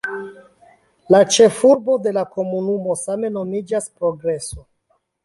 La ĉefurbo de la komunumo same nomiĝas "Progreso".